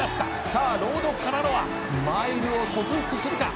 「さあロードカナロアマイルを克服するか」